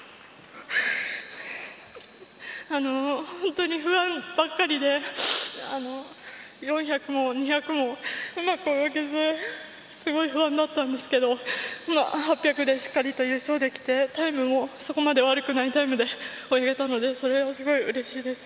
本当に不安ばっかりで４００も２００も、うまく泳げずすごい不安だったんですけど８００でしっかり優勝できてタイムもそこまで悪くないタイムで泳げたのでそれはすごくうれしいです。